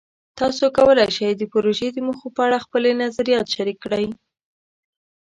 تاسو کولی شئ د پروژې د موخو په اړه خپلې نظریات شریک کړئ.